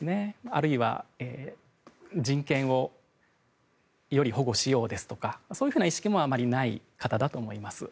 あるいは人権をより保護しようですとかそういうふうな意識もあまりない方だと思います。